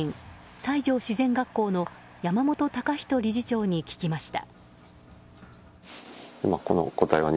西条自然学校の山本貴仁理事長に聞きました。